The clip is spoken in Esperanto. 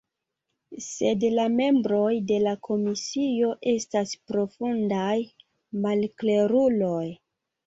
Sed la membroj de la komisio estas profundaj malkleruloj.